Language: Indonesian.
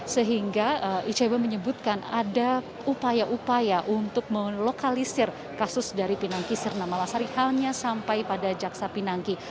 sehingga icw menyebutkan ada upaya upaya untuk melokalisir kasus dari pinangki sirena malasari hanya sampai pada jaksa pinangki